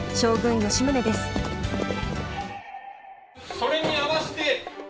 それに合わせて。